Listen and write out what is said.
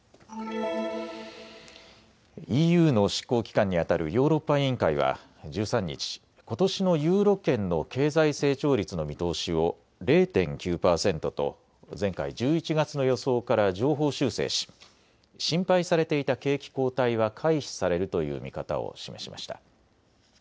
ＥＵの執行機関にあたるヨーロッパ委員会は１３日、ことしのユーロ圏の経済成長率の見通しを０．９％と前回１１月の予想から上方修正し心配されていた景気後退は回避されるという見方を示しました。